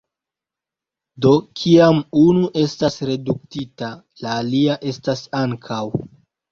Do, kiam unu estas reduktita, la alia estas ankaŭ.